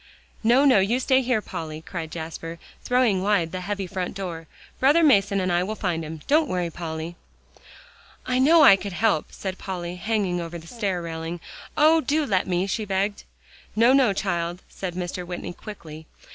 "No, no, you stay here, Polly," cried Jasper, throwing wide the heavy front door. "Brother Mason and I will find him. Don't worry, Polly." "I know I could help," said Polly, hanging over the stair railing. "Oh! do let me," she begged. "No, no, child," said Mr. Whitney, quickly.